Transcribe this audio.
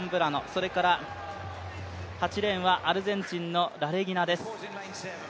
それから８レーンはアルゼンチンのラレギナです。